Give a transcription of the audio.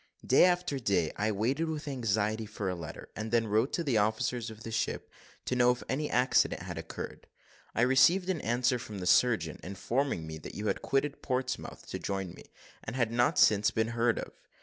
"Day after day I waited with anxiety for a letter, and then wrote to the officers of the ship to know if any accident had occurred. I received an answer from the surgeon, informing me that you had quitted Portsmouth to join me, and had not since been heard of.